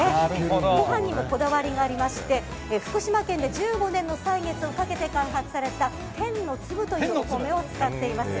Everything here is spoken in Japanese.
ご飯にもこだわりがありまして福島県で１５年の歳月をかけて開発された天のつぶというお米を使っています。